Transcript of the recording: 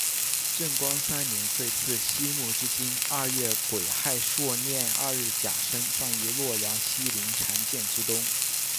正光三年岁次析木之津二月癸亥朔廿二日甲申葬于洛阳西陵缠涧之东。